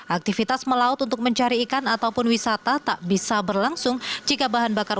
aktivitas melaut untuk mencari ikan ataupun wisata tak bisa berlangsung jika bahan bakar